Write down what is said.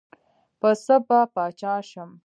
پۀ څۀ به باچا شم ـ